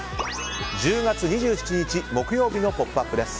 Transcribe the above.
１０月２７日、木曜日の「ポップＵＰ！」です。